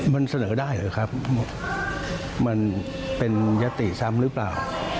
มันเสนอได้หรือครับมันเป็นยติซ้ำหรือเปล่า